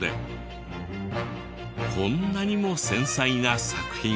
こんなにも繊細な作品を。